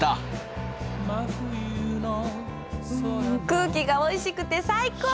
うん空気がおいしくて最高！